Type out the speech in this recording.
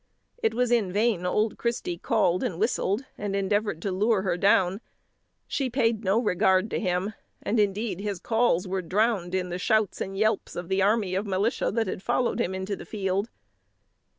It was in vain old Christy called and whistled, and endeavoured to lure her down; she paid no regard to him; and, indeed, his calls were drowned in the shouts and yelps of the army of militia that had followed him into the field.